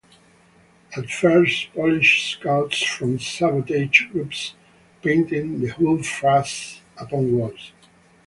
At first, Polish scouts from sabotage groups painted the whole phrase upon walls.